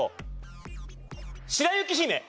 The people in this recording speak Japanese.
白雪姫。